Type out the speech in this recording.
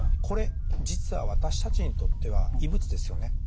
これ実は私たちにとっては異物ですよね。